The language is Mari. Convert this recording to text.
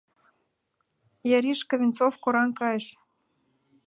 — ЯришкаВенцов кораҥ кайыш.